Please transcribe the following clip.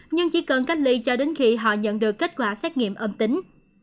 nhưng chỉ cần cách ly cho đến khi họ nhận được kết quả xét nghiệm âm tính